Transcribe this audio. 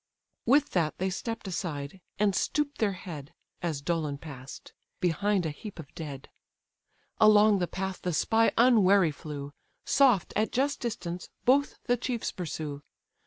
With that they stepp'd aside, and stoop'd their head, (As Dolon pass'd,) behind a heap of dead: Along the path the spy unwary flew; Soft, at just distance, both the chiefs pursue.